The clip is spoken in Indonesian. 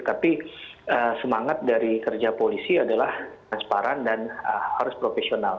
tapi semangat dari kerja polisi adalah transparan dan harus profesional